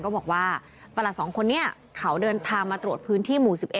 ก็บอกว่าประหลัดสองคนนี้เขาเดินทางมาตรวจพื้นที่หมู่๑๑